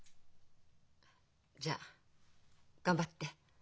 じゃあ頑張って。